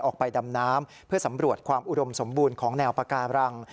ออกไปดำน้ำเพื่อสำรวจความอุดมสมบูรณ์ของแนวปาการัง